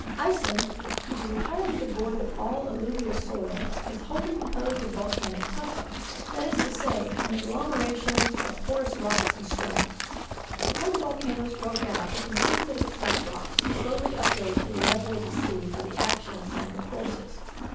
Iceland, which is entirely devoid of alluvial soil, is wholly composed of volcanic tufa, that is to say, an agglomeration of porous rocks and stones. Before the volcanoes broke out it consisted of trap rocks slowly upraised to the level of the sea by the action of central forces.